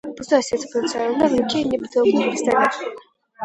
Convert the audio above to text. Пустое сердце бьётся ровно. В руке не дрогнул пистолет.